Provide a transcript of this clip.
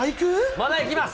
まだいきます。